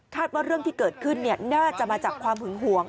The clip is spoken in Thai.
ว่าเรื่องที่เกิดขึ้นน่าจะมาจากความหึงหวง